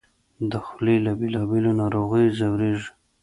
د خولې له بېلابېلو ناروغیو ځورېږي